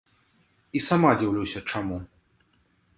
І сама дзіўлюся чаму.